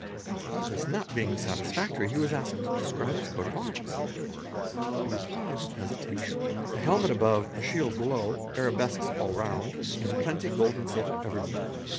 All this not being satisfactory, he was asked to describe his coat of arms: he replied with hesitation,—''A helmet above, a shield below, A lh AGHA A AD GAN a A lM ENE ON _ arabesques all round, and plenty gold and silver everywhere."